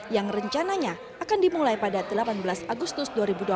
yang rencananya akan dimulai pada delapan belas agustus dua ribu dua puluh